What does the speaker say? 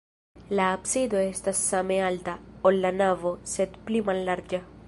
La absido estas same alta, ol la navo, sed pli mallarĝa.